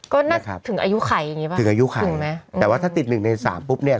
ก็น่าจะถึงอายุไขอย่างงีบ้างถึงอายุไขถึงไหมแต่ว่าถ้าติดหนึ่งในสามปุ๊บเนี่ย